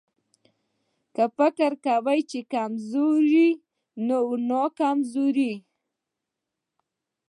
که فکر کوې چې کمزوری يې نو کمزوری يې.